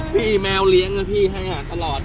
พี่แมวเลี้ยงนะพี่ให้หาตลอด